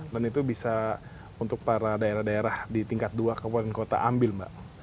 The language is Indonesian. dan itu bisa untuk para daerah daerah di tingkat dua kebukatan kota ambil mbak